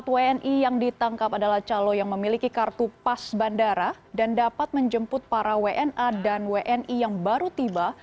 empat wni yang ditangkap adalah calon yang memiliki kartu pas bandara dan dapat menjemput para wna dan wni yang baru tiba